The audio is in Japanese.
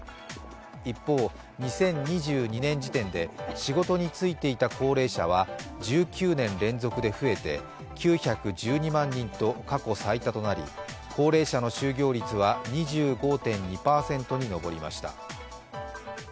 一方、２０２２年時点で仕事に就いていた高齢者は１９年連続で増えて、９１２万人と過去最多となり高齢者の就業率は２５．２％に上りました。